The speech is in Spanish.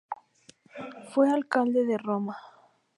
Fue Alcalde de Roma.